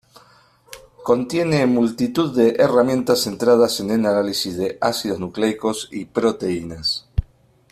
Contiene multitud de herramientas centradas en el análisis de ácidos nucleicos y proteínas.